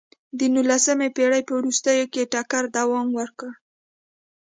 د نولسمې پېړۍ په وروستیو کې ټکر دوام وکړ.